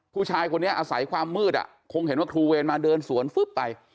ผู้ชายคนนี้อาศัยความมืดอ่ะคงเห็นว่าครูเวรมาเดินสวนฟึ๊บไป